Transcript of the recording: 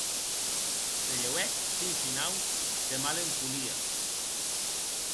Se lheuèc fin finau de mala encolia.